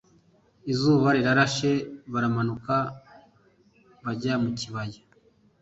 izuba rirashe baramanuka bajya mu kibaya'.